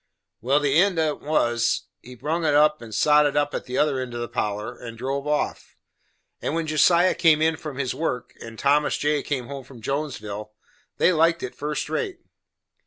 Well, the end on't was, he brung it in and sot it up the other end of the parlor, and drove off. And when Josiah come in from his work, and Thomas J. come home from Jonesville, they liked it first rate.